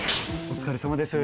お疲れさまです。